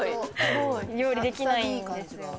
料理できないんですよね。